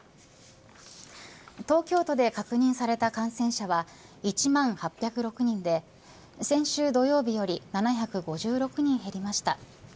東京都で確認された感染者は１万８０６人で先週土曜日より７５６人減りました。